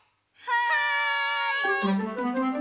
はい！